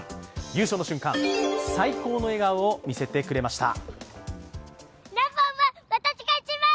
優勝の瞬間、最高の笑顔を見せてくれました。